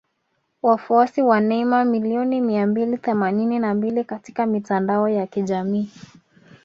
Wafuasi wa Neymar milioni mia mbili themanini na mbili katika mitandao ya kijamii